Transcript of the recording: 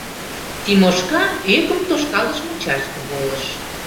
Тимошка ӧкым тошкалтыш мучашке волыш.